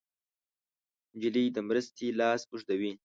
نجلۍ د مرستې لاس اوږدوي.